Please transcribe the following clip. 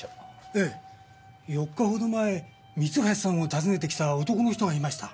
ええ４日ほど前三橋さんを訪ねてきた男の人がいました。